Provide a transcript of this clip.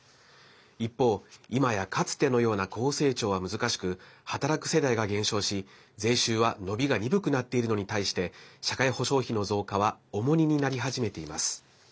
一方、いまやかつてのような高成長は難しく働く世代が減少し、税収は伸びが鈍くなっているのに対して社会保障費の増加は重荷になり始めています。